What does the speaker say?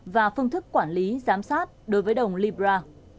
và phương thức quản lý giám sát đối với đồng libra